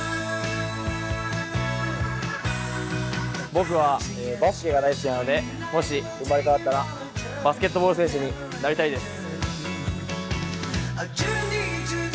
僕はバスケが大好きなので、もし生まれ変わったらバスケットボール選手になりたいです。